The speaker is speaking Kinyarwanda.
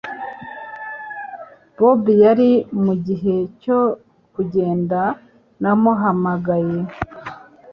Bob yari mugihe cyo kugenda namuhamagaye.